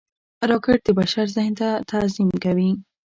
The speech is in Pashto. راکټ د بشر ذهن ته تعظیم کوي